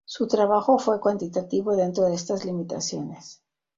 Su trabajo fue cuantitativo dentro de estas limitaciones.